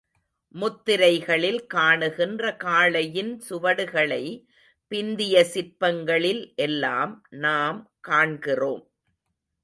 முத்திரைகளில் காணுகின்ற காளையின் சுவடுகளை பிந்திய சிற்பங்களில் எல்லாம் நாம் காண்கிறோம்.